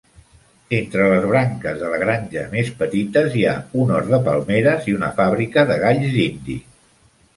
Entre les branques de la granja més petites hi ha un hort de palmeres i una fabrica de galls dindi.